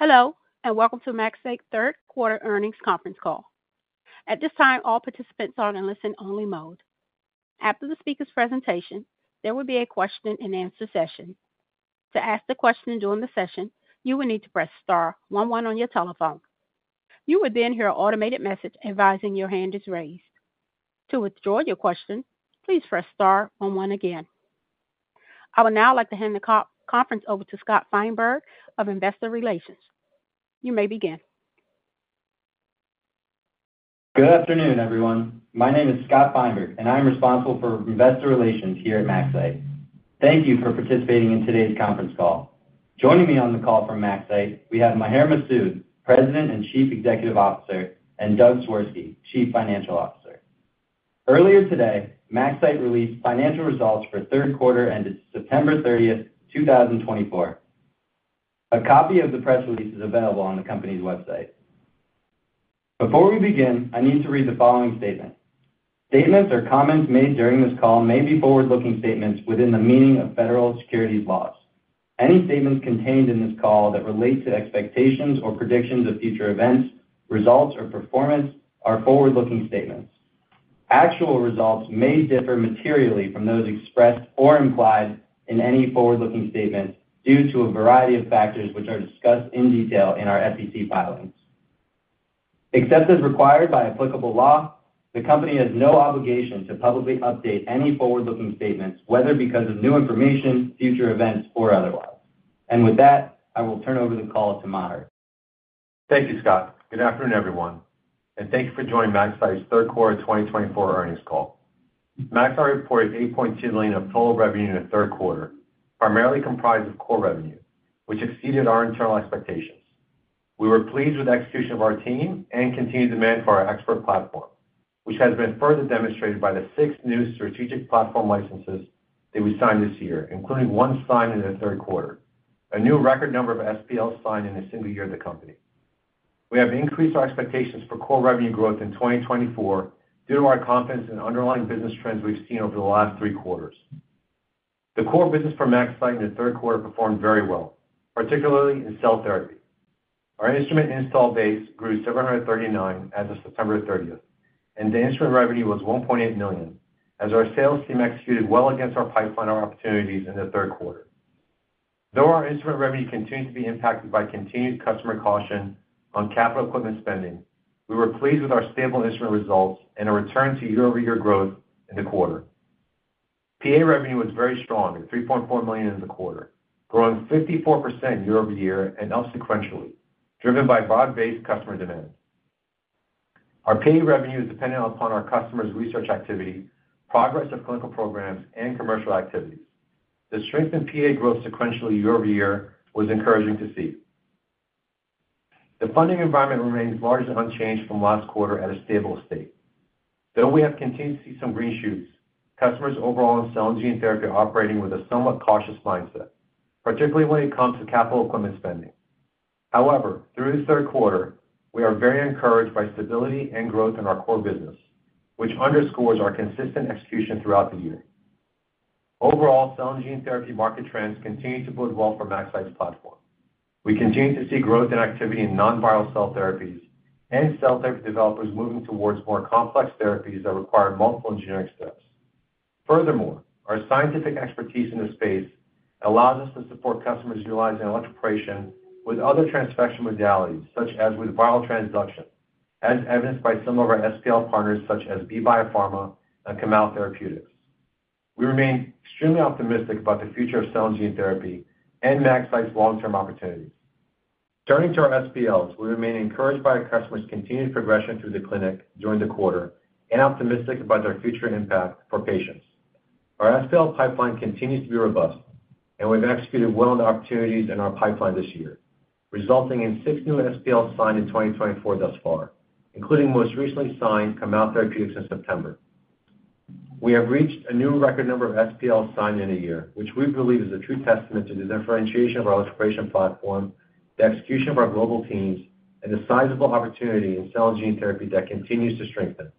Hello, and welcome to MaxCyte's Third Quarter Earnings Conference Call. At this time, all participants are on a listen-only mode. After the speaker's presentation, there will be a question-and-answer session. To ask a question during the session, you will need to press Star one one on your telephone. You will then hear an automated message advising your hand is raised. To withdraw your question, please press Star one one again. I would now like to hand the conference over to Scott Feinberg of Investor Relations. You may begin. Good afternoon, everyone. My name is Scott Feinberg, and I'm responsible for Investor Relations here at MaxCyte. Thank you for participating in today's conference call. Joining me on the call from MaxCyte, we have Maher Masoud, President and Chief Executive Officer, and Doug Swirsky, Chief Financial Officer. Earlier today, MaxCyte released financial results for third quarter ended September 30, 2024. A copy of the press release is available on the company's website. Before we begin, I need to read the following statement. Statements or comments made during this call may be forward-looking statements within the meaning of federal securities laws. Any statements contained in this call that relate to expectations or predictions of future events, results, or performance are forward-looking statements. Actual results may differ materially from those expressed or implied in any forward-looking statement due to a variety of factors which are discussed in detail in our SEC filings. Except as required by applicable law, the company has no obligation to publicly update any forward-looking statements, whether because of new information, future events, or otherwise, and with that, I will turn over the call to Maher. Thank you, Scott. Good afternoon, everyone, and thank you for joining MaxCyte's Third Quarter 2024 Earnings Call. MaxCyte reported $8.2 million of total revenue in the third quarter, primarily comprised of core revenue, which exceeded our internal expectations. We were pleased with the execution of our team and continued demand for our ExPERT platform, which has been further demonstrated by the six new strategic platform licenses that we signed this year, including one signed in the third quarter, a new record number of SPLs signed in a single year at the company. We have increased our expectations for core revenue growth in 2024 due to our confidence in underlying business trends we've seen over the last three quarters. The core business for MaxCyte in the third quarter performed very well, particularly in cell therapy. Our instrument install base grew 739 as of September 30, and the instrument revenue was $1.8 million, as our sales team executed well against our pipeline opportunities in the third quarter. Though our instrument revenue continues to be impacted by continued customer caution on capital equipment spending, we were pleased with our stable instrument results and a return to year-over-year growth in the quarter. PA revenue was very strong, at $3.4 million in the quarter, growing 54% year-over-year and up sequentially, driven by broad-based customer demand. Our PA revenue is dependent upon our customers' research activity, progress of clinical programs, and commercial activities. The strength in PA growth sequentially year-over-year was encouraging to see. The funding environment remains largely unchanged from last quarter at a stable state. Though we have continued to see some green shoots, customers overall in cell and gene therapy are operating with a somewhat cautious mindset, particularly when it comes to capital equipment spending. However, through the third quarter, we are very encouraged by stability and growth in our core business, which underscores our consistent execution throughout the year. Overall, cell and gene therapy market trends continue to build well for MaxCyte's platform. We continue to see growth in activity in non-viral cell therapies and cell therapy developers moving towards more complex therapies that require multiple engineering steps. Furthermore, our scientific expertise in the space allows us to support customers utilizing electroporation with other transfection modalities, such as with viral transduction, as evidenced by some of our SPL partners, such as Be Biopharma and Kamau Therapeutics. We remain extremely optimistic about the future of cell and gene therapy and MaxCyte's long-term opportunities. Turning to our SPLs, we remain encouraged by our customers' continued progression through the clinic during the quarter and optimistic about their future impact for patients. Our SPL pipeline continues to be robust, and we've executed well on the opportunities in our pipeline this year, resulting in six new SPLs signed in 2024 thus far, including most recently signed Kamau Therapeutics in September. We have reached a new record number of SPLs signed in a year, which we believe is a true testament to the differentiation of our electroporation platform, the execution of our global teams, and the sizable opportunity in cell and gene therapy that continues to strengthen.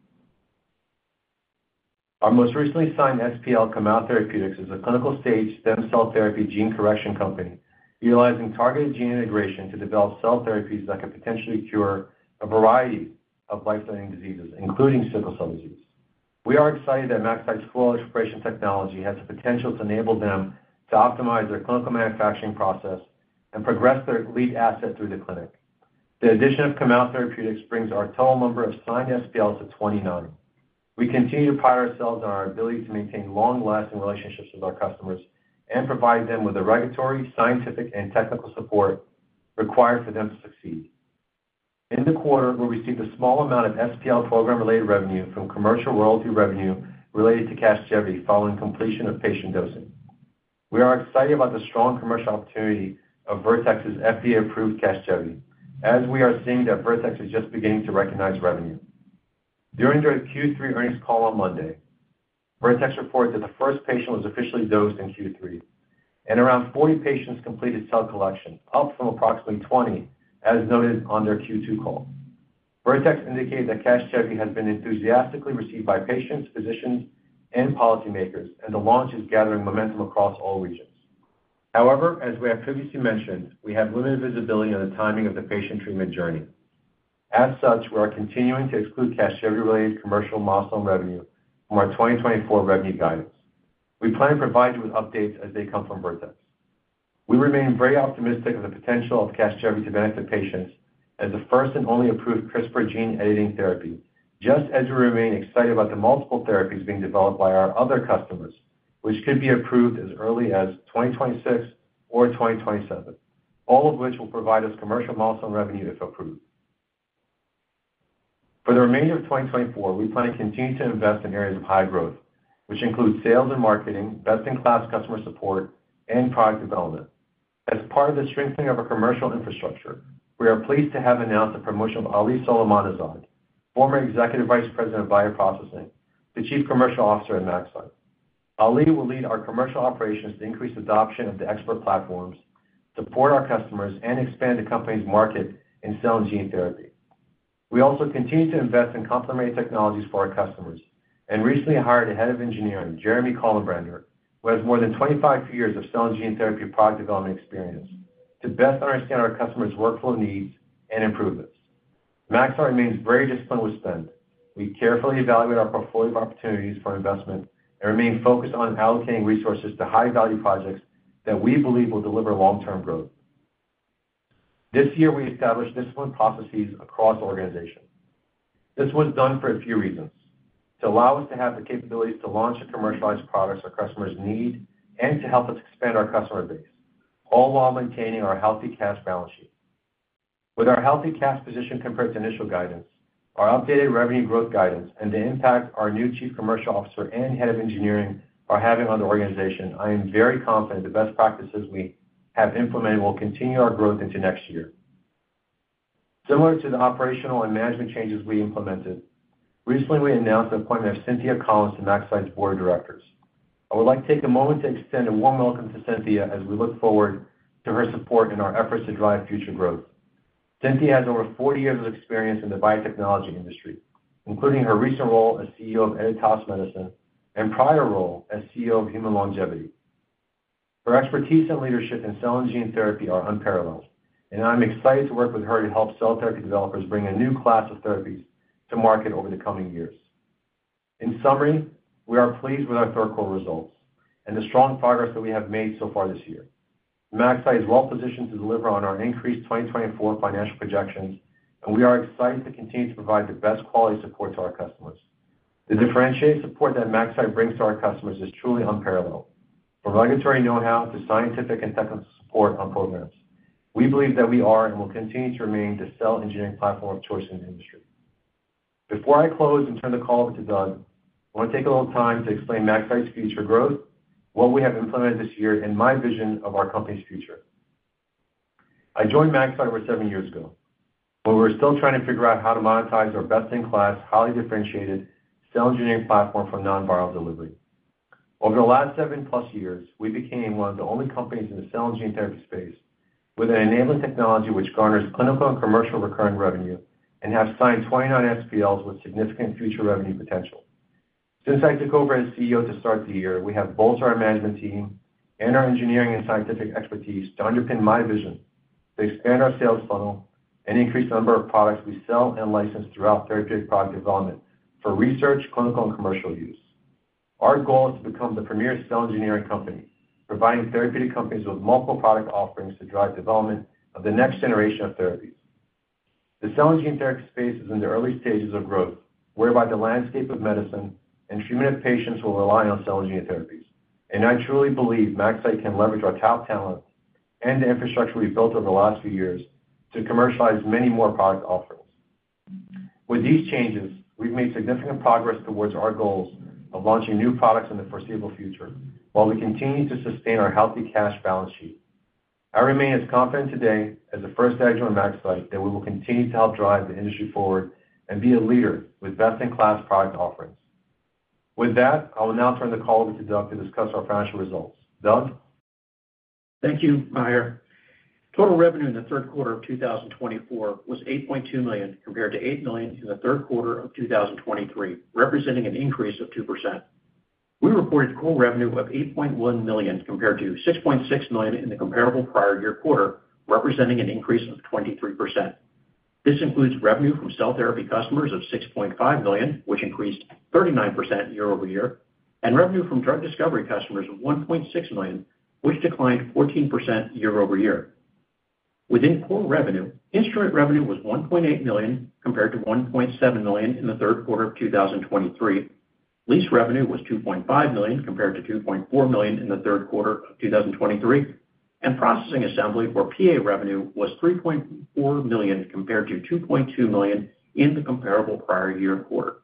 Our most recently signed SPL, Kamau Therapeutics, is a clinical-stage stem cell therapy gene correction company utilizing targeted gene integration to develop cell therapies that could potentially cure a variety of life-threatening diseases, including sickle cell disease. We are excited that MaxCyte's core electroporation technology has the potential to enable them to optimize their clinical manufacturing process and progress their lead asset through the clinic. The addition of Kamau Therapeutics brings our total number of signed SPLs to 29. We continue to pride ourselves on our ability to maintain long-lasting relationships with our customers and provide them with the regulatory, scientific, and technical support required for them to succeed. In the quarter, we received a small amount of SPL program-related revenue from commercial royalty revenue related to CASGEVY following completion of patient dosing. We are excited about the strong commercial opportunity of Vertex's FDA-approved CASGEVY, as we are seeing that Vertex is just beginning to recognize revenue. During their Q3 earnings call on Monday, Vertex reported that the first patient was officially dosed in Q3, and around 40 patients completed cell collection, up from approximately 20, as noted on their Q2 call. Vertex indicated that CASGEVY has been enthusiastically received by patients, physicians, and policymakers, and the launch is gathering momentum across all regions. However, as we have previously mentioned, we have limited visibility on the timing of the patient treatment journey. As such, we are continuing to exclude CASGEVY-related commercial milestone revenue from our 2024 revenue guidance. We plan to provide you with updates as they come from Vertex. We remain very optimistic of the potential of CASGEVY to benefit patients as the first and only approved CRISPR gene editing therapy, just as we remain excited about the multiple therapies being developed by our other customers, which could be approved as early as 2026 or 2027, all of which will provide us commercial milestone revenue if approved. For the remainder of 2024, we plan to continue to invest in areas of high growth, which include sales and marketing, best-in-class customer support, and product development. As part of the strengthening of our commercial infrastructure, we are pleased to have announced the promotion of Ali Soleymanezad, former Executive Vice President of Bioprocessing, the Chief Commercial Officer at MaxCyte. Ali will lead our commercial operations to increase adoption of the ExPERT platforms, support our customers, and expand the company's market in cell and gene therapy. We also continue to invest in complementary technologies for our customers and recently hired a head of engineering, Jeremy Kollenbrander, who has more than 25 years of cell and gene therapy product development experience, to best understand our customers' workflow needs and improvements. MaxCyte remains very disciplined with spend. We carefully evaluate our portfolio of opportunities for investment and remain focused on allocating resources to high-value projects that we believe will deliver long-term growth. This year, we established disciplined processes across the organization. This was done for a few reasons: to allow us to have the capabilities to launch and commercialize products our customers need and to help us expand our customer base, all while maintaining our healthy cash balance sheet. With our healthy cash position compared to initial guidance, our updated revenue growth guidance, and the impact our new Chief Commercial Officer and Head of Engineering are having on the organization, I am very confident the best practices we have implemented will continue our growth into next year. Similar to the operational and management changes we implemented, recently we announced the appointment of Cynthia Collins to MaxCyte's board of directors. I would like to take a moment to extend a warm welcome to Cynthia as we look forward to her support in our efforts to drive future growth. Cynthia has over 40 years of experience in the biotechnology industry, including her recent role as CEO of Editas Medicine and prior role as CEO of Human Longevity. Her expertise and leadership in cell and gene therapy are unparalleled, and I'm excited to work with her to help cell therapy developers bring a new class of therapies to market over the coming years. In summary, we are pleased with our third quarter results and the strong progress that we have made so far this year. MaxCyte is well positioned to deliver on our increased 2024 financial projections, and we are excited to continue to provide the best quality support to our customers. The differentiated support that MaxCyte brings to our customers is truly unparalleled, from regulatory know-how to scientific and technical support on programs. We believe that we are and will continue to remain the cell engineering platform of choice in the industry. Before I close and turn the call over to Doug, I want to take a little time to explain MaxCyte's future growth, what we have implemented this year, and my vision of our company's future. I joined MaxCyte over seven years ago, when we were still trying to figure out how to monetize our best-in-class, highly differentiated cell engineering platform from non-viral delivery. Over the last seven-plus years, we became one of the only companies in the cell and gene therapy space with an enabling technology which garners clinical and commercial recurring revenue and has signed 29 SPLs with significant future revenue potential. Since I took over as CEO to start the year, we have bolstered our management team and our engineering and scientific expertise to underpin my vision to expand our sales funnel and increase the number of products we sell and license throughout therapeutic product development for research, clinical, and commercial use. Our goal is to become the premier cell engineering company, providing therapeutic companies with multiple product offerings to drive development of the next generation of therapies. The cell and gene therapy space is in the early stages of growth, whereby the landscape of medicine and treatment of patients will rely on cell and gene therapies, and I truly believe MaxCyte can leverage our top talent and the infrastructure we've built over the last few years to commercialize many more product offerings. With these changes, we've made significant progress towards our goals of launching new products in the foreseeable future while we continue to sustain our healthy cash balance sheet. I remain as confident today as ever on MaxCyte that we will continue to help drive the industry forward and be a leader with best-in-class product offerings. With that, I will now turn the call over to Doug to discuss our financial results. Doug? Thank you, Maher. Total revenue in the third quarter of 2024 was $8.2 million compared to $8 million in the third quarter of 2023, representing an increase of 2%. We reported core revenue of $8.1 million compared to $6.6 million in the comparable prior year quarter, representing an increase of 23%. This includes revenue from cell therapy customers of $6.5 million, which increased 39% year-over-year, and revenue from drug discovery customers of $1.6 million, which declined 14% year-over-year. Within core revenue, instrument revenue was $1.8 million compared to $1.7 million in the third quarter of 2023. Lease revenue was $2.5 million compared to $2.4 million in the third quarter of 2023, and Processing Assembly or PA revenue was $3.4 million compared to $2.2 million in the comparable prior year quarter.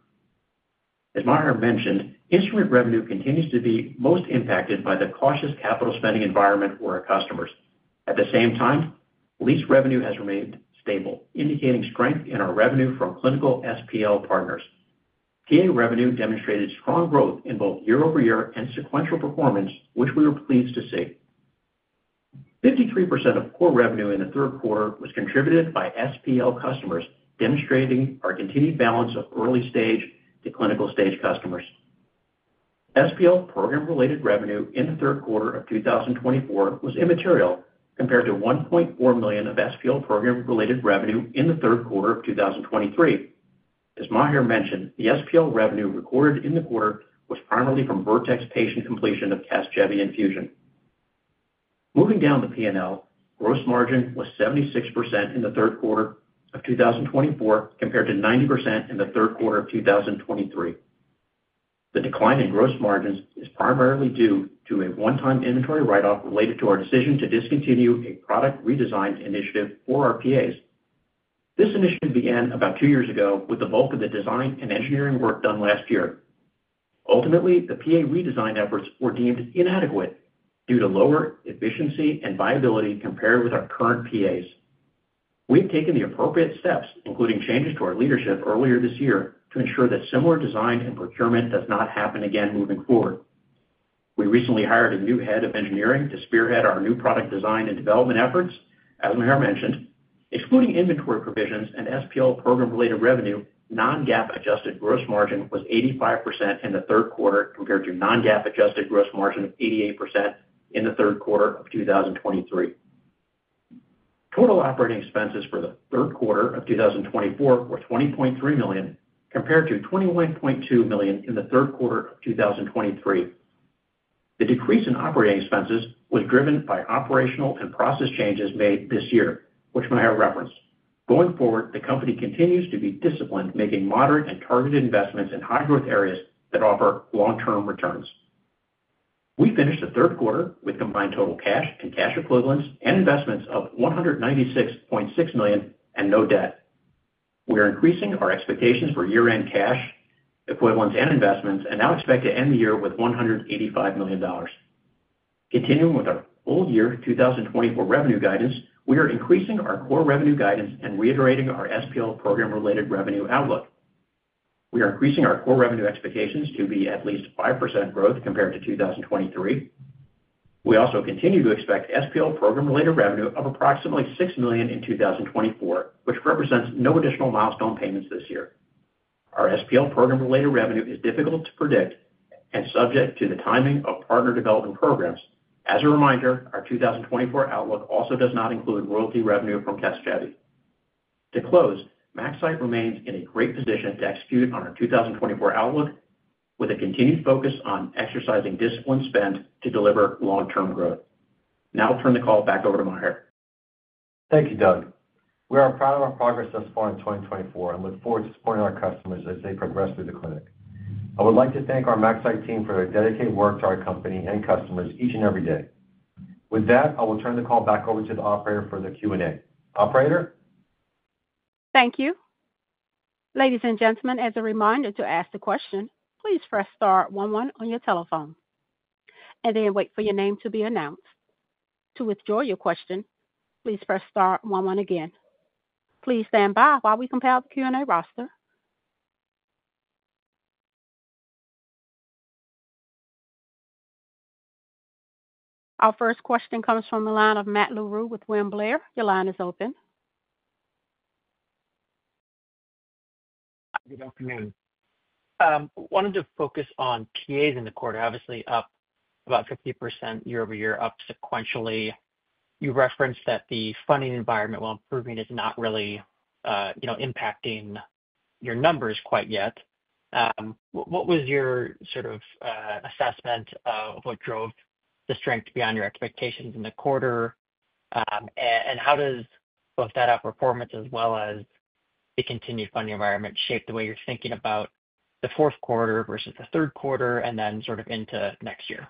As Maher mentioned, instrument revenue continues to be most impacted by the cautious capital spending environment for our customers. At the same time, lease revenue has remained stable, indicating strength in our revenue from clinical SPL partners. PA revenue demonstrated strong growth in both year-over-year and sequential performance, which we were pleased to see. 53% of core revenue in the third quarter was contributed by SPL customers, demonstrating our continued balance of early-stage to clinical-stage customers. SPL program-related revenue in the third quarter of 2024 was immaterial compared to $1.4 million of SPL program-related revenue in the third quarter of 2023. As Maher mentioned, the SPL revenue recorded in the quarter was primarily from Vertex patient completion of CASGEVY infusion. Moving down the P&L, gross margin was 76% in the third quarter of 2024 compared to 90% in the third quarter of 2023. The decline in gross margins is primarily due to a one-time inventory write-off related to our decision to discontinue a product redesign initiative for our PAs. This initiative began about two years ago with the bulk of the design and engineering work done last year. Ultimately, the PA redesign efforts were deemed inadequate due to lower efficiency and viability compared with our current PAs. We've taken the appropriate steps, including changes to our leadership earlier this year, to ensure that similar design and procurement does not happen again moving forward. We recently hired a new head of engineering to spearhead our new product design and development efforts, as Maher mentioned. Excluding inventory provisions and SPL program-related revenue, non-GAAP adjusted gross margin was 85% in the third quarter compared to non-GAAP adjusted gross margin of 88% in the third quarter of 2023. Total operating expenses for the third quarter of 2024 were $20.3 million compared to $21.2 million in the third quarter of 2023. The decrease in operating expenses was driven by operational and process changes made this year, which Maher referenced. Going forward, the company continues to be disciplined, making moderate and targeted investments in high-growth areas that offer long-term returns. We finished the third quarter with combined total cash and cash equivalents and investments of $196.6 million and no debt. We are increasing our expectations for year-end cash equivalents and investments and now expect to end the year with $185 million. Continuing with our full year 2024 revenue guidance, we are increasing our core revenue guidance and reiterating our SPL program-related revenue outlook. We are increasing our core revenue expectations to be at least 5% growth compared to 2023. We also continue to expect SPL program-related revenue of approximately $6 million in 2024, which represents no additional milestone payments this year. Our SPL program-related revenue is difficult to predict and subject to the timing of partner development programs. As a reminder, our 2024 outlook also does not include royalty revenue from CASGEVY. To close, MaxCyte remains in a great position to execute on our 2024 outlook with a continued focus on exercising discipline spent to deliver long-term growth. Now I'll turn the call back over to Maher. Thank you, Doug. We are proud of our progress thus far in 2024 and look forward to supporting our customers as they progress through the clinic. I would like to thank our MaxCyte team for their dedicated work to our company and customers each and every day. With that, I will turn the call back over to the operator for the Q&A. Operator? Thank you. Ladies and gentlemen, as a reminder to ask the question, please press star one one on your telephone and then wait for your name to be announced. To withdraw your question, please press star one one again. Please stand by while we compile the Q&A roster. Our first question comes from the line of Matt Larew with William Blair. Your line is open. Good afternoon. I wanted to focus on PAs in the quarter, obviously up about 50% year-over-year, up sequentially. You referenced that the funding environment while improving is not really impacting your numbers quite yet. What was your sort of assessment of what drove the strength beyond your expectations in the quarter? And how does both that outperformance as well as the continued funding environment shape the way you're thinking about the fourth quarter versus the third quarter and then sort of into next year?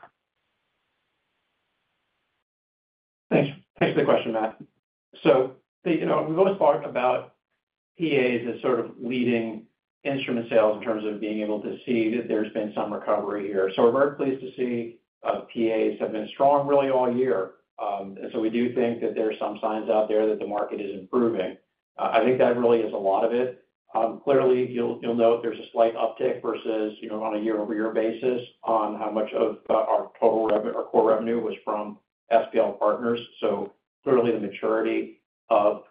Thanks. Thanks for the question, Matt. So we've always thought about PAs as sort of leading instrument sales in terms of being able to see that there's been some recovery here. So we're very pleased to see PAs have been strong really all year. And so we do think that there are some signs out there that the market is improving. I think that really is a lot of it. Clearly, you'll note there's a slight uptick versus on a year-over-year basis on how much of our total or core revenue was from SPL partners. So clearly, the maturity of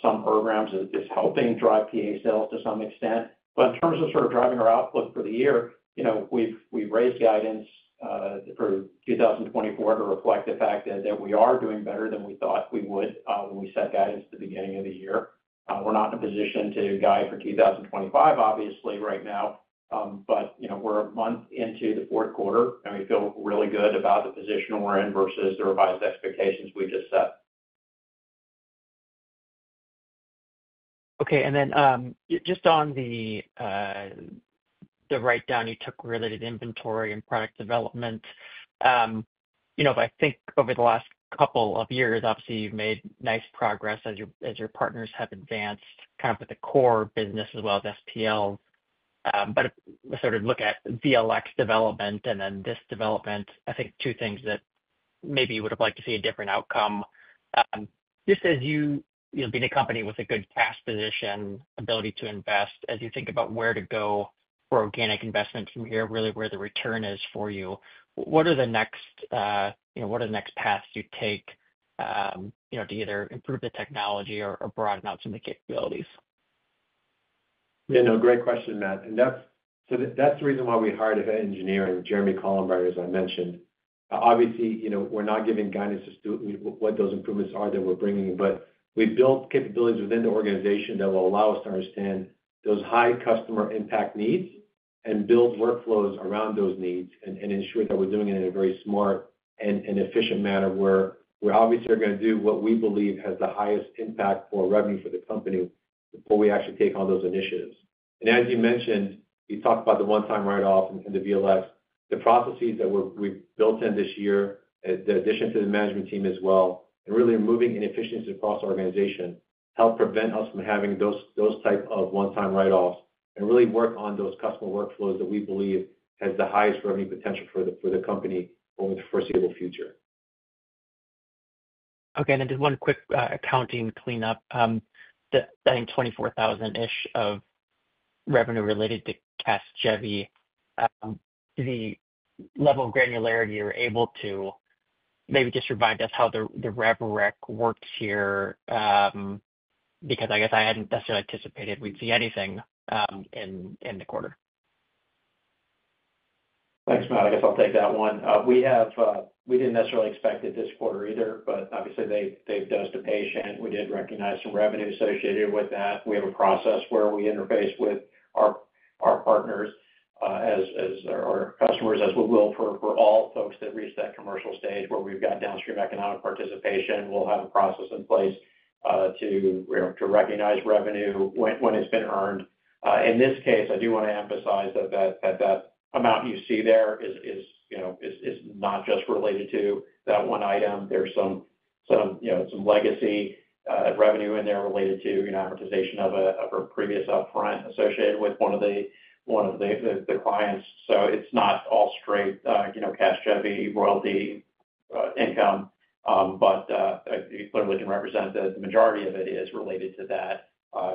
some programs is helping drive PA sales to some extent. But in terms of sort of driving our outlook for the year, we've raised guidance for 2024 to reflect the fact that we are doing better than we thought we would when we set guidance at the beginning of the year. We're not in a position to guide for 2025, obviously, right now, but we're a month into the fourth quarter, and we feel really good about the position we're in versus the revised expectations we just set. Okay. And then, just on the write-down you took related to inventory and product development, if I think over the last couple of years, obviously, you've made nice progress as your partners have advanced kind of with the core business as well as SPLs. But sort of look at VLX development and then this development, I think two things that maybe you would have liked to see a different outcome. Just as you being a company with a good cash position, ability to invest, as you think about where to go for organic investments from here, really where the return is for you, what are the next paths you take to either improve the technology or broaden out some of the capabilities? Yeah, no, great question, Matt. And that's the reason why we hired a head of engineering, Jeremy Kollenbrander, as I mentioned. Obviously, we're not giving guidance as to what those improvements are that we're bringing, but we've built capabilities within the organization that will allow us to understand those high customer impact needs and build workflows around those needs and ensure that we're doing it in a very smart and efficient manner where we obviously are going to do what we believe has the highest impact for revenue for the company before we actually take on those initiatives. And as you mentioned, you talked about the one-time write-off and the VLX. The processes that we've built in this year, the addition to the management team as well, and really removing inefficiencies across the organization help prevent us from having those type of one-time write-offs and really work on those customer workflows that we believe has the highest revenue potential for the company over the foreseeable future. Okay. And then just one quick accounting cleanup. I think $24,000-ish of revenue related to CASGEVY. The level of granularity you're able to maybe just remind us how the revenue recognition works here because I guess I hadn't necessarily anticipated we'd see anything in the quarter. Thanks, Matt. I guess I'll take that one. We didn't necessarily expect it this quarter either, but obviously, they've dosed a patient. We did recognize some revenue associated with that. We have a process where we interface with our partners as our customers, as we will for all folks that reach that commercial stage where we've got downstream economic participation. We'll have a process in place to recognize revenue when it's been earned. In this case, I do want to emphasize that that amount you see there is not just related to that one item. There's some legacy revenue in there related to amortization of a previous upfront associated with one of the clients. So it's not all straight CASGEVY royalty income, but it clearly can represent that the majority of it is related to that.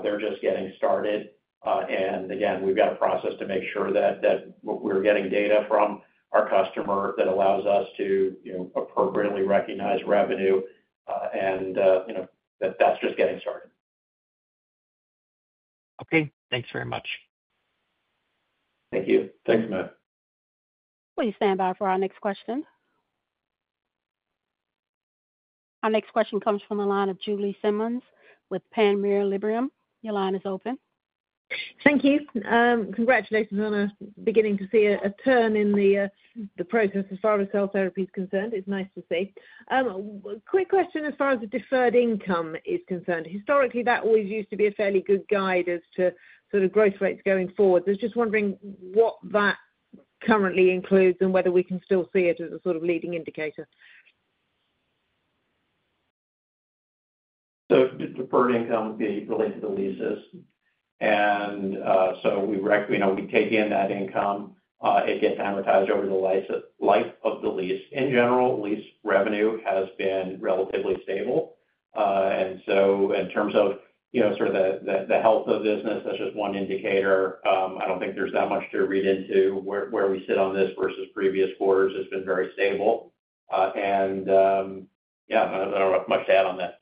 They're just getting started. Again, we've got a process to make sure that we're getting data from our customer that allows us to appropriately recognize revenue, and that's just getting started. Okay. Thanks very much. Thank you. Thanks, Matt. Please stand by for our next question. Our next question comes from the line of Julie Simmonds with Panmure Liberum. Your line is open. Thank you. Congratulations on beginning to see a turn in the process as far as cell therapy is concerned. It's nice to see. Quick question as far as the deferred income is concerned. Historically, that always used to be a fairly good guide as to sort of growth rates going forward. I was just wondering what that currently includes and whether we can still see it as a sort of leading indicator. So deferred income would be related to the leases. And so we take in that income. It gets amortized over the life of the lease. In general, lease revenue has been relatively stable. And so in terms of sort of the health of the business, that's just one indicator. I don't think there's that much to read into where we sit on this versus previous quarters. It's been very stable. And yeah, I don't have much to add on that.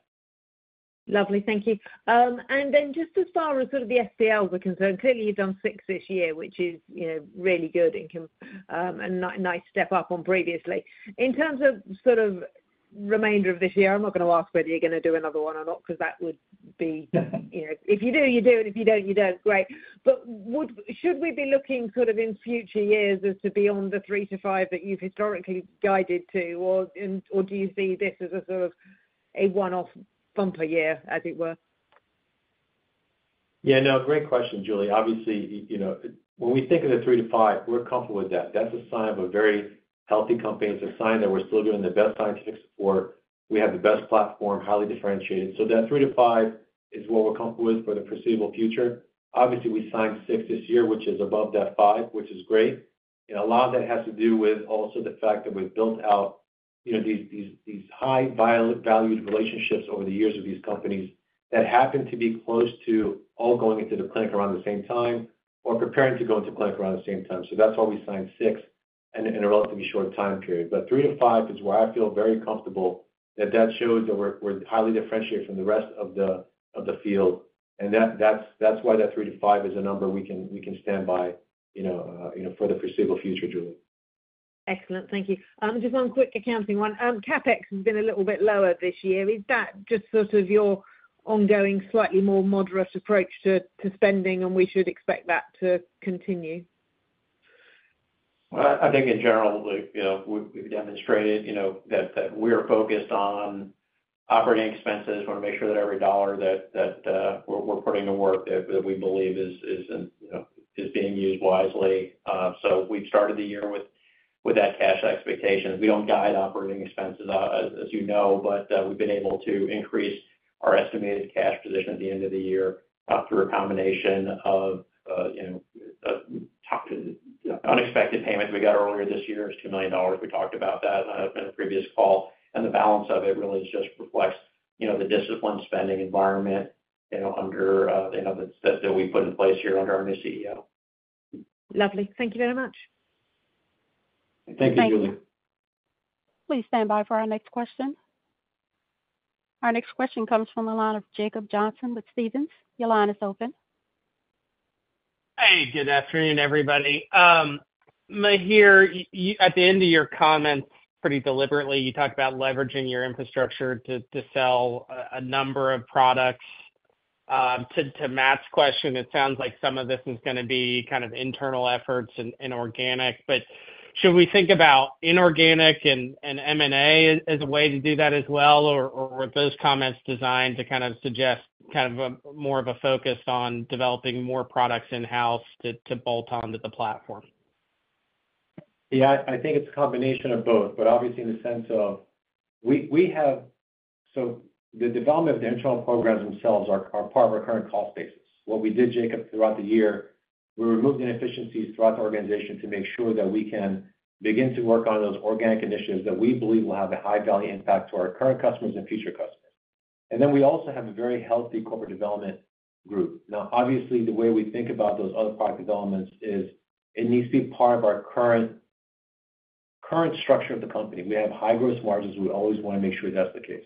Lovely. Thank you. And then just to start with sort of the SPLs are concerned, clearly you've done six this year, which is really good and a nice step up from previously. In terms of sort of remainder of this year, I'm not going to ask whether you're going to do another one or not because that would be if you do, you do. And if you don't, you don't. Great. But should we be looking sort of in future years as to beyond the three to five that you've historically guided to, or do you see this as a sort of a one-off bumper year, as it were? Yeah. No, great question, Julie. Obviously, when we think of the three to five, we're comfortable with that. That's a sign of a very healthy company. It's a sign that we're still doing the best scientific support. We have the best platform, highly differentiated. So that three to five is what we're comfortable with for the foreseeable future. Obviously, we signed six this year, which is above that five, which is great. And a lot of that has to do with also the fact that we've built out these high-valued relationships over the years with these companies that happen to be close to all going into the clinic around the same time or preparing to go into clinic around the same time. So that's why we signed six in a relatively short time period. Three to five is where I feel very comfortable that that shows that we're highly differentiated from the rest of the field. That's why that three to five is a number we can stand by for the foreseeable future, Julie. Excellent. Thank you. Just one quick accounting one. CapEx has been a little bit lower this year. Is that just sort of your ongoing slightly more moderate approach to spending, and we should expect that to continue? I think in general, we've demonstrated that we are focused on operating expenses. We want to make sure that every dollar that we're putting to work that we believe is being used wisely. So we've started the year with that cash expectation. We don't guide operating expenses, as you know, but we've been able to increase our estimated cash position at the end of the year through a combination of unexpected payments we got earlier this year. It's $2 million. We talked about that in a previous call, and the balance of it really just reflects the disciplined spending environment under that we put in place here under our new CEO. Lovely. Thank you very much. Thank you, Julie. Thank you. Please stand by for our next question. Our next question comes from the line of Jacob Johnson with Stephens. Your line is open. Hey, good afternoon, everybody. Maher, at the end of your comments, pretty deliberately, you talked about leveraging your infrastructure to sell a number of products. To Matt's question, it sounds like some of this is going to be kind of internal efforts and organic. But should we think about inorganic and M&A as a way to do that as well, or were those comments designed to kind of suggest kind of more of a focus on developing more products in-house to bolt onto the platform? Yeah, I think it's a combination of both, but obviously in the sense of we have so the development of the internal programs themselves are part of our current cost basis. What we did, Jacob, throughout the year, we removed inefficiencies throughout the organization to make sure that we can begin to work on those organic initiatives that we believe will have a high-value impact to our current customers and future customers. And then we also have a very healthy corporate development group. Now, obviously, the way we think about those other product developments is it needs to be part of our current structure of the company. We have high gross margins. We always want to make sure that's the case.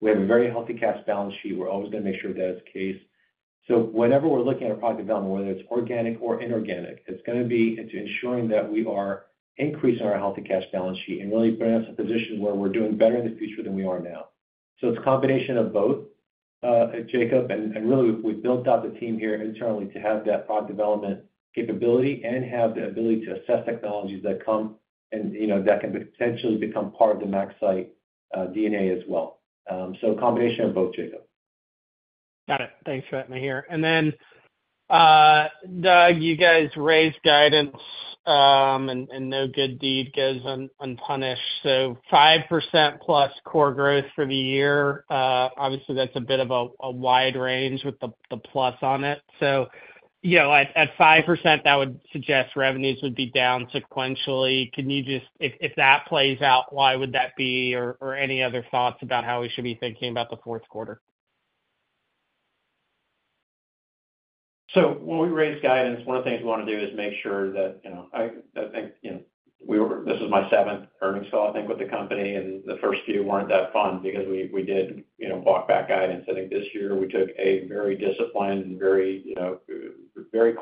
We have a very healthy cash balance sheet. We're always going to make sure that's the case. So whenever we're looking at a product development, whether it's organic or inorganic, it's going to be into ensuring that we are increasing our healthy cash balance sheet and really bringing us a position where we're doing better in the future than we are now. So it's a combination of both, Jacob. And really, we've built out the team here internally to have that product development capability and have the ability to assess technologies that come and that can potentially become part of the MaxCyte DNA as well. So a combination of both, Jacob. Got it. Thanks for that, Maher. And then, Doug, you guys raised guidance, and no good deed goes unpunished. So 5% plus core growth for the year. Obviously, that's a bit of a wide range with the plus on it. So at 5%, that would suggest revenues would be down sequentially. If that plays out, why would that be, or any other thoughts about how we should be thinking about the fourth quarter? So when we raise guidance, one of the things we want to do is make sure that. I think this is my seventh earnings call, I think, with the company, and the first few weren't that fun because we did walk back guidance. I think this year we took a very disciplined and very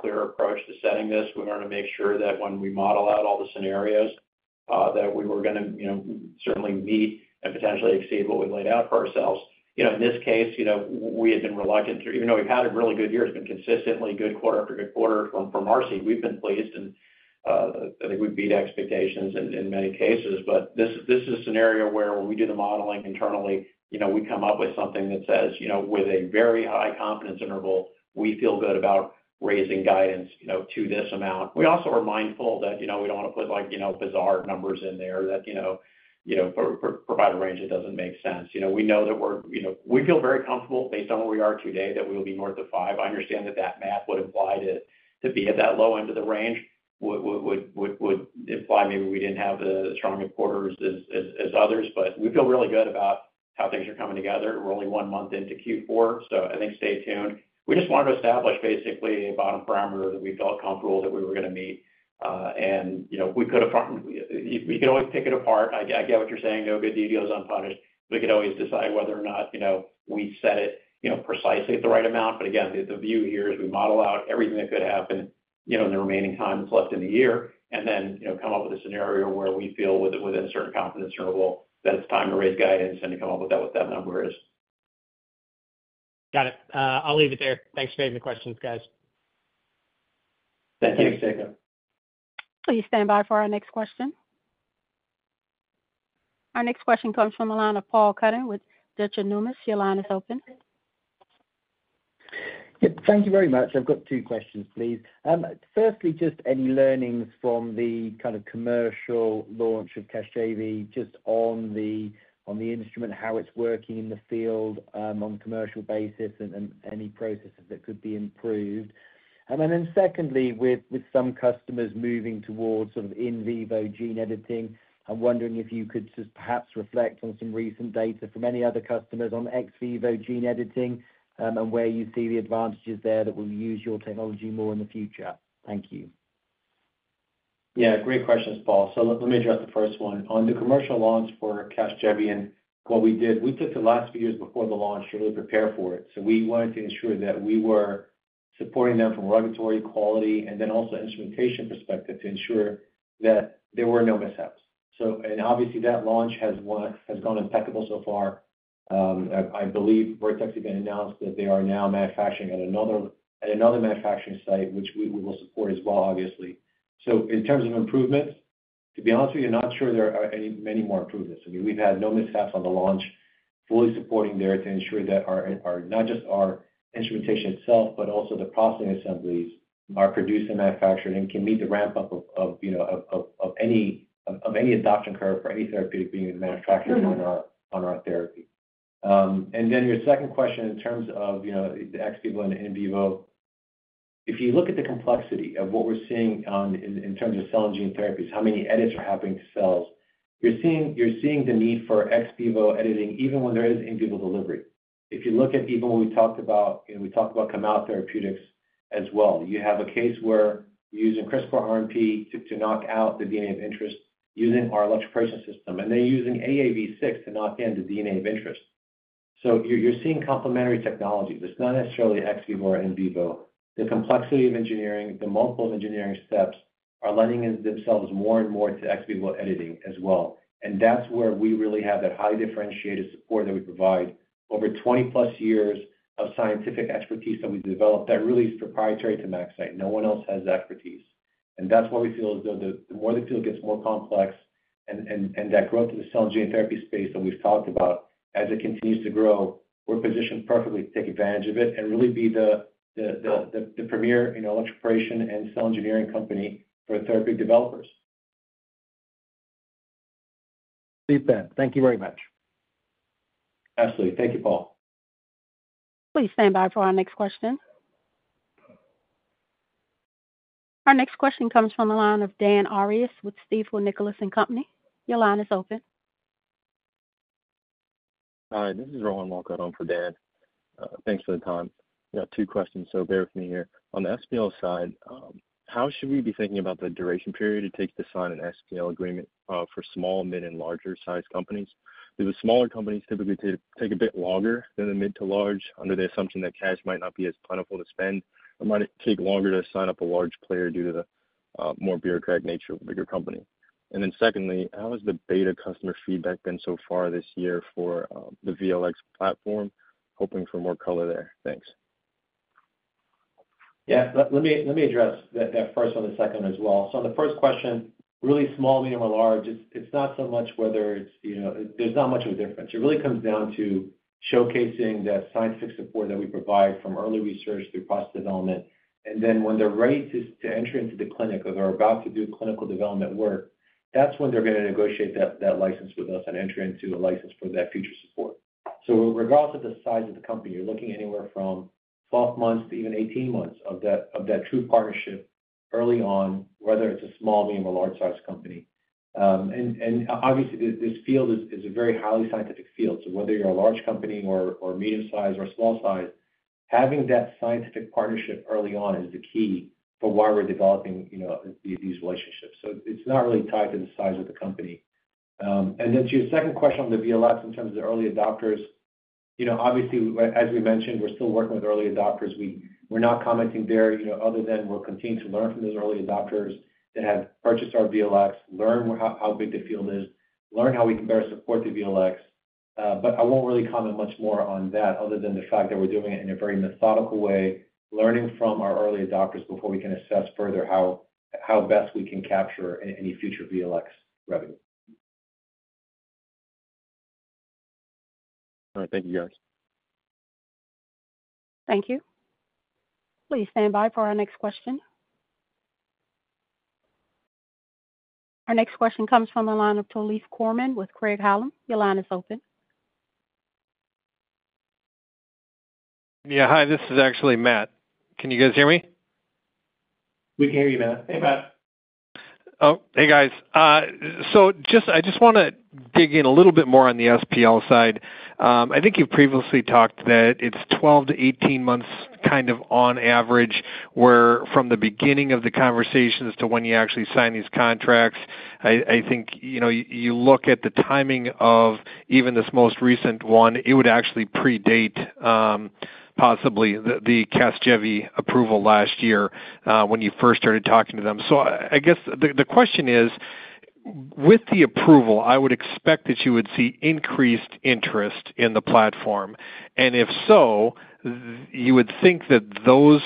clear approach to setting this. We wanted to make sure that when we model out all the scenarios that we were going to certainly meet and potentially exceed what we laid out for ourselves. In this case, we had been reluctant to, even though we've had a really good year, it's been consistently good quarter after good quarter. From our seat, we've been pleased, and I think we've beat expectations in many cases. But this is a scenario where when we do the modeling internally, we come up with something that says, with a very high confidence interval, we feel good about raising guidance to this amount. We also are mindful that we don't want to put bizarre numbers in there that provide a range that doesn't make sense. We know that we feel very comfortable based on where we are today that we will be north of five. I understand that that math would imply to be at that low end of the range would imply maybe we didn't have the stronger quarters as others, but we feel really good about how things are coming together. We're only one month into Q4, so I think stay tuned. We just wanted to establish basically a bottom parameter that we felt comfortable that we were going to meet. We could always pick it apart. I get what you're saying. No good deed goes unpunished. We could always decide whether or not we set it precisely at the right amount. But again, the view here is we model out everything that could happen in the remaining time that's left in the year and then come up with a scenario where we feel within a certain confidence interval that it's time to raise guidance and come up with that number is. Got it. I'll leave it there. Thanks for having the questions, guys. Thank you, Jacob. Please stand by for our next question. Our next question comes from the line of Paul Cuddon with Deutsche Numis. Your line is open. Thank you very much. I've got two questions, please. Firstly, just any learnings from the kind of commercial launch of CASGEVY just on the instrument, how it's working in the field on a commercial basis and any processes that could be improved. And then secondly, with some customers moving towards sort of in vivo gene editing, I'm wondering if you could just perhaps reflect on some recent data from any other customers on ex vivo gene editing and where you see the advantages there that will use your technology more in the future. Thank you. Yeah. Great questions, Paul. So let me address the first one. On the commercial launch for CASGEVY and what we did, we took the last few years before the launch to really prepare for it. So we wanted to ensure that we were supporting them from a regulatory quality and then also instrumentation perspective to ensure that there were no mishaps. And obviously, that launch has gone impeccable so far. I believe Vertex has been announced that they are now manufacturing at another manufacturing site, which we will support as well, obviously. So in terms of improvements, to be honest with you, I'm not sure there are any many more improvements. I mean, we've had no mishaps on the launch, fully supporting there to ensure that not just our instrumentation itself, but also the processing assemblies are produced and manufactured and can meet the ramp-up of any adoption curve for any therapeutic being manufactured on our therapy. And then your second question in terms of the ex vivo and in vivo, if you look at the complexity of what we're seeing in terms of cell and gene therapies, how many edits are happening to cells, you're seeing the need for ex vivo editing even when there is in vivo delivery. If you look at even what we talked about, and we talked about Kamau Therapeutics as well. You have a case where you're using CRISPR RNP to knock out the DNA of interest using our electroporation system, and they're using AAV6 to knock in the DNA of interest. You're seeing complementary technologies. It's not necessarily ex vivo or in vivo. The complexity of engineering, the multiple engineering steps are lending themselves more and more to ex vivo editing as well. And that's where we really have that highly differentiated support that we provide over 20-plus years of scientific expertise that we've developed that really is proprietary to MaxCyte. No one else has that expertise. And that's why we feel as though the more the field gets more complex and that growth in the cell and gene therapy space that we've talked about, as it continues to grow, we're positioned perfectly to take advantage of it and really be the premier electroporation and cell engineering company for therapeutic developers. With that, thank you very much. Absolutely. Thank you, Paul. Please stand by for our next question. Our next question comes from the line of Dan Arias with Stifel Nicolaus and Company. Your line is open. Hi. This is Rowan Walker. I'm for Dan. Thanks for the time. I've got two questions, so bear with me here. On the SPL side, how should we be thinking about the duration period it takes to sign an SPL agreement for small, mid, and larger-sized companies? Because the smaller companies typically take a bit longer than the mid to large under the assumption that cash might not be as plentiful to spend. It might take longer to sign up a large player due to the more bureaucratic nature of a bigger company. And then secondly, how has the beta customer feedback been so far this year for the VLX platform? Hoping for more color there. Thanks. Yeah. Let me address that first one, the second one as well. So on the first question, really small, medium, or large, it's not so much whether it's. There's not much of a difference. It really comes down to showcasing that scientific support that we provide from early research through process development. And then when they're ready to enter into the clinic or they're about to do clinical development work, that's when they're going to negotiate that license with us and enter into a license for that future support. So regardless of the size of the company, you're looking anywhere from 12 months to even 18 months of that true partnership early on, whether it's a small, medium, or large-sized company. And obviously, this field is a very highly scientific field. So whether you're a large company or a medium-sized or a small-sized, having that scientific partnership early on is the key for why we're developing these relationships. So it's not really tied to the size of the company. And then to your second question on the VLX in terms of the early adopters, obviously, as we mentioned, we're still working with early adopters. We're not commenting there other than we're continuing to learn from those early adopters that have purchased our VLX, learn how big the field is, learn how we can better support the VLX. But I won't really comment much more on that other than the fact that we're doing it in a very methodical way, learning from our early adopters before we can assess further how best we can capture any future VLX revenue. All right. Thank you, guys. Thank you. Please stand by for our next question. Our next question comes from the line of Matt Hewitt with Craig-Hallum. Your line is open. Yeah. Hi. This is actually Matt. Can you guys hear me? We can hear you, Matt. Hey, Matt. Oh, hey, guys. So I just want to dig in a little bit more on the SPL side. I think you've previously talked that it's 12-18 months kind of on average where from the beginning of the conversations to when you actually sign these contracts. I think you look at the timing of even this most recent one. It would actually predate possibly the CASGEVY approval last year when you first started talking to them. So I guess the question is, with the approval, I would expect that you would see increased interest in the platform. And if so, you would think that those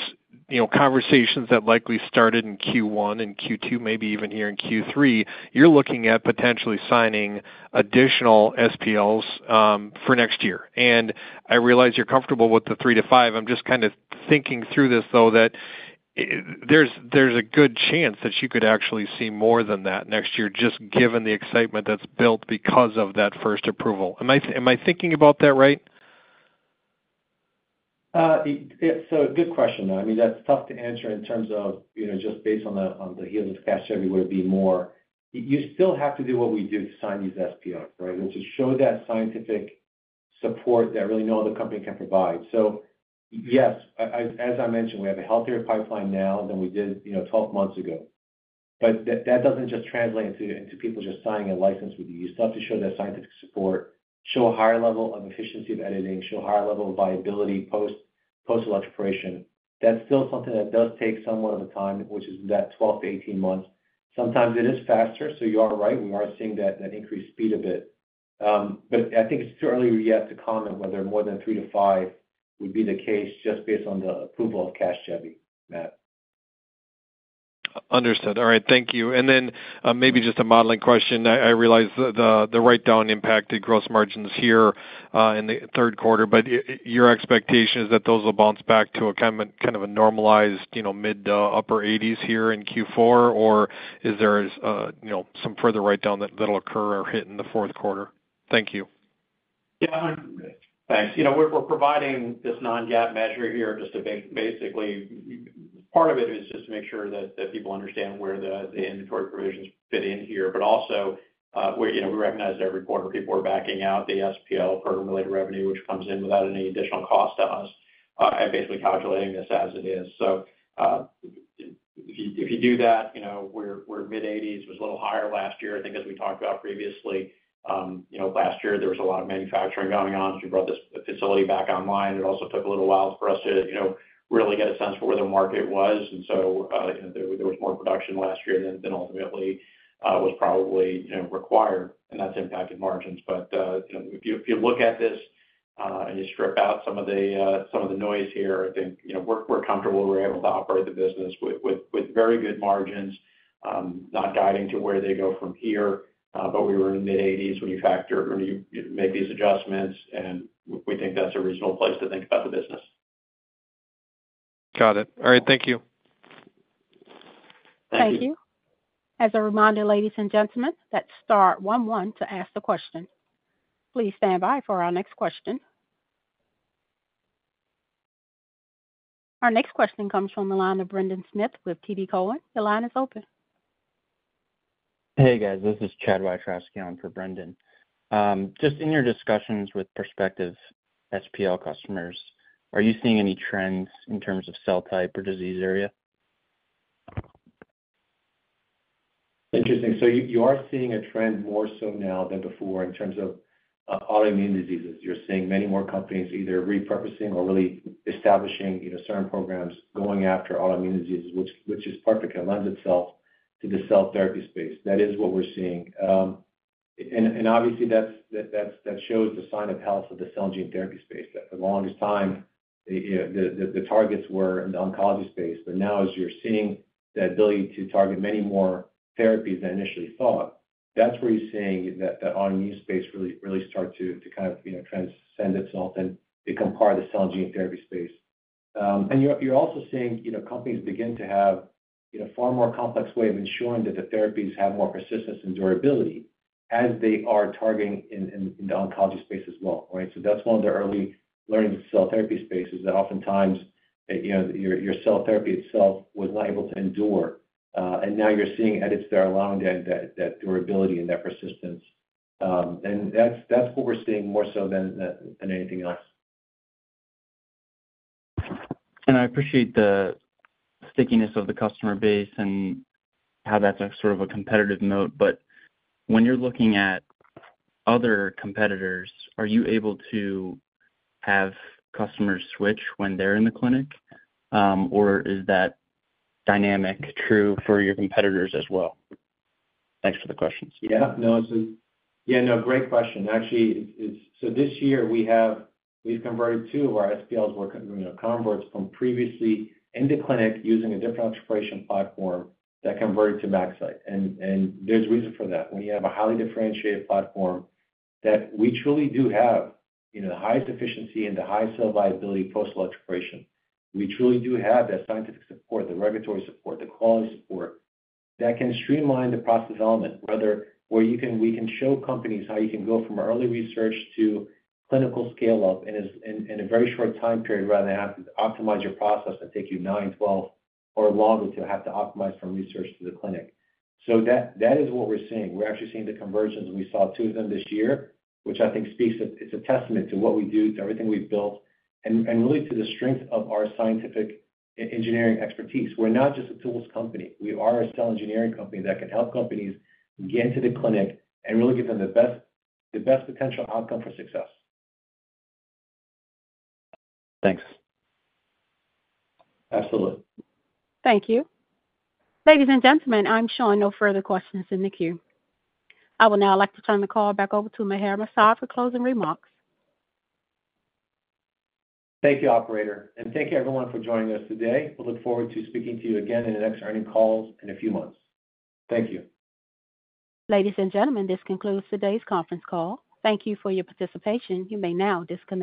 conversations that likely started in Q1 and Q2, maybe even here in Q3, you're looking at potentially signing additional SPLs for next year. And I realize you're comfortable with the three to five. I'm just kind of thinking through this, though, that there's a good chance that you could actually see more than that next year just given the excitement that's built because of that first approval. Am I thinking about that right? So good question, though. I mean, that's tough to answer in terms of just based on the heels of CASGEVY, would it be more you still have to do what we do to sign these SPLs, right, and to show that scientific support that really no other company can provide. So yes, as I mentioned, we have a healthier pipeline now than we did 12 months ago. But that doesn't just translate into people just signing a license with you. You still have to show that scientific support, show a higher level of efficiency of editing, show a higher level of viability post-electroporation. That's still something that does take somewhat of a time, which is that 12 to 18 months. Sometimes it is faster. So you are right. We are seeing that increased speed a bit. But I think it's too early yet to comment whether more than three to five would be the case just based on the approval of CASGEVY, Matt. Understood. All right. Thank you. And then maybe just a modeling question. I realize the write-down impacted gross margins here in the third quarter, but your expectation is that those will bounce back to kind of a normalized mid- to upper-80s% here in Q4, or is there some further write-down that'll occur or hit in the fourth quarter? Thank you. Yeah. Thanks. We're providing this non-GAAP measure here just to basically part of it is just to make sure that people understand where the inventory provisions fit in here, but also we recognize that every quarter people are backing out the SPL program-related revenue, which comes in without any additional cost to us, basically calculating this as it is, so if you do that, we're mid-80s. It was a little higher last year. I think as we talked about previously, last year there was a lot of manufacturing going on, so we brought this facility back online. It also took a little while for us to really get a sense for where the market was, and so there was more production last year than ultimately was probably required, and that's impacted margins. But if you look at this and you strip out some of the noise here, I think we're comfortable. We're able to operate the business with very good margins, not guiding to where they go from here, but we were in the mid-80s when you make these adjustments, and we think that's a reasonable place to think about the business. Got it. All right. Thank you. Thank you. As a reminder, ladies and gentlemen, that's star one one to ask the question. Please stand by for our next question. Our next question comes from the line of Brendan Smith with TD Cowen. Your line is open. Hey, guys. This is Chad Wiatrowski on for Brendan. Just in your discussions with prospective SPL customers, are you seeing any trends in terms of cell type or disease area? Interesting. So you are seeing a trend more so now than before in terms of autoimmune diseases. You're seeing many more companies either repurposing or really establishing certain programs going after autoimmune diseases, which is perfect and lends itself to the cell therapy space. That is what we're seeing. And obviously, that shows the sign of health of the cell and gene therapy space. For the longest time, the targets were in the oncology space, but now as you're seeing the ability to target many more therapies than initially thought, that's where you're seeing that the autoimmune space really starts to kind of transcend itself and become part of the cell and gene therapy space. And you're also seeing companies begin to have a far more complex way of ensuring that the therapies have more persistence and durability as they are targeting in the oncology space as well, right? That's one of the early learnings of cell therapy spaces that oftentimes your cell therapy itself was not able to endure, and now you're seeing edits that are allowing that durability and that persistence. That's what we're seeing more so than anything else. I appreciate the stickiness of the customer base and how that's sort of a competitive note, but when you're looking at other competitors, are you able to have customers switch when they're in the clinic, or is that dynamic true for your competitors as well? Thanks for the questions. Yeah, no, great question. Actually, so this year, we've converted two of our SPLs were converts from previously in the clinic using a different electroporation platform that converted to MaxCyte. And there's reason for that. When you have a highly differentiated platform that we truly do have the highest efficiency and the highest cell viability post-electroporation, we truly do have that scientific support, the regulatory support, the quality support that can streamline the process development, whether we can show companies how you can go from early research to clinical scale-up in a very short time period rather than have to optimize your process and take you nine, 12, or longer to have to optimize from research to the clinic. So that is what we're seeing. We're actually seeing the conversions. We saw two of them this year, which I think speaks to. It's a testament to what we do, to everything we've built, and really to the strength of our scientific engineering expertise. We're not just a tools company. We are a cell engineering company that can help companies get into the clinic and really give them the best potential outcome for success. Thanks. Absolutely. Thank you. Ladies and gentlemen, I'm sure no further questions in the queue. I will now like to turn the call back over to Maher Masoud for closing remarks. Thank you, operator. And thank you, everyone, for joining us today. We'll look forward to speaking to you again in the next earnings call in a few months. Thank you. Ladies and gentlemen, this concludes today's conference call. Thank you for your participation. You may now disconnect.